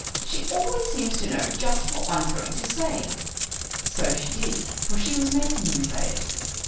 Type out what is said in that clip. She always seems to know just what one's going to say." So she did, for she was making him say it.